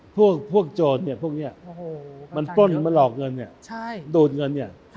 พวกโจรปุ่นมารอกเงินดูดเงิน